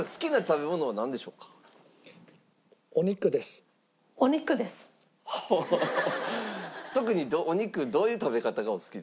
特にお肉どういう食べ方がお好きですか？